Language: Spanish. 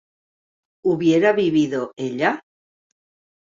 ¿hubiera vivido ella?